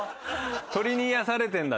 鳥に癒やされてんだ？